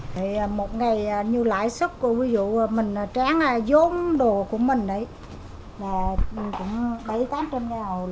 thì một ngày như lãi suất ví dụ mình tráng vốn đồ của mình đấy là cũng bấy tám trăm ngàn